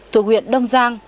thuộc huyện đông giang